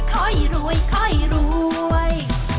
ค่อยรวยค่อยรวย